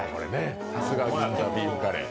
さすが銀座ビーフカレー。